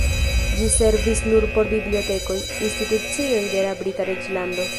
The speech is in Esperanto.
Ĝi servis nur por bibliotekoj, institucioj de la Brita Reĝlando.